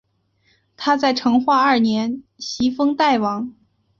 他在成化二年袭封代王。